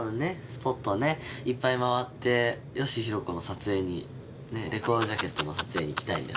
スポットをねいっぱい回って美弘子の撮影にレコードジャケットの撮影に行きたいんだよね！